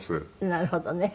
なるほどね。